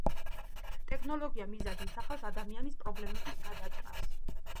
ტექნოლოგია მიზნად ისახავს ადამიანის პრობლემების გადაჭრას.